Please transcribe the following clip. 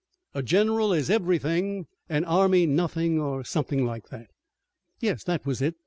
"A general is everything, an army nothing or something like that." "Yes, that was it.